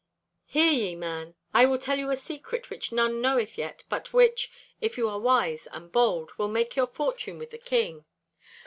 Hear ye, man; I will tell you a secret which none knoweth yet, but which, if you are wise and bold, will make your fortune with the King.